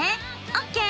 オッケー！